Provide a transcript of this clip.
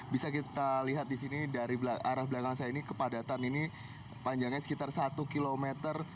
bisa kita lihat di sini dari arah belakang saya ini kepadatan ini panjangnya sekitar satu kilometer